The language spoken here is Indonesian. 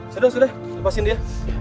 sudah sudah lepaskan dia